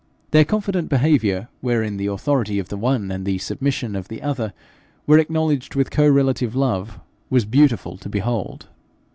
Their confident behaviour, wherein the authority of the one and the submission of the other were acknowledged with co relative love, was beautiful to behold.